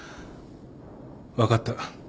分かった。